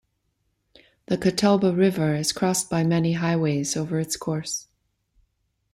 The Catawba River is crossed by many highways over its course.